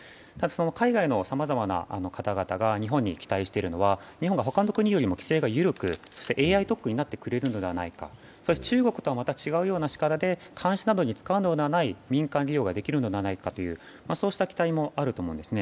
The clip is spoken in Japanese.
海外のさまざまな方々が日本に期待しているのは日本が他の国よりも規制が緩くＡＩ特区になってくれるのではないか中国とはまた違う力で監視などに使うのではない民間利用ができるのではないかという期待もあります。